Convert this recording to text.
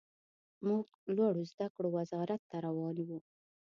موږ لوړو زده کړو وزارت ته روان وو.